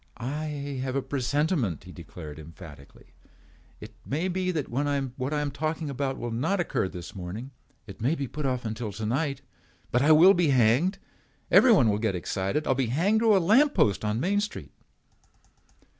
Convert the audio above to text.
"I have a presentiment," he declared emphatically. "It may be that what I am talking about will not occur this morning. It may be put off until tonight but I will be hanged. Everyone will get excited. I will be hanged to a lamp post on Main Street."